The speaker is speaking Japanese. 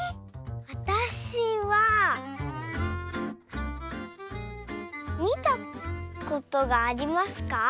わたしはみたことがありますか？